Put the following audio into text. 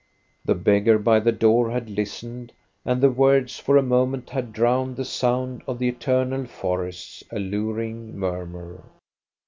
The beggar by the door had listened, and the words for a moment had drowned the sound of the eternal forests* alluring murmur.